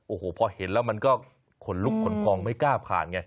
โอ้โหพอเห็นแล้วมันก็ขนลุกขนพองไม่กล้าผ่านไง